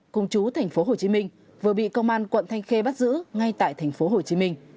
cùng chú tp hồ chí minh vừa bị công an quận thanh khê bắt giữ ngay tại tp hồ chí minh